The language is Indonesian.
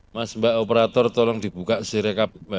mas mbak operator tolong dibuka si rekap